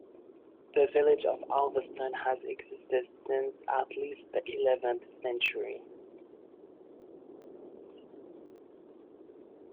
The village of Alvaston has existed since at least the eleventh century.